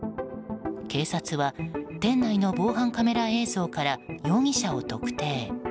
警察は店内の防犯カメラ映像から容疑者を特定。